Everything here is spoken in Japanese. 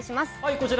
こちら